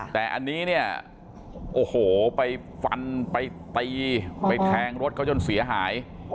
แต่อันนี้เนี่ยโอ้โหไปฟันไปตีไปแทงรถเขาจนเสียหาย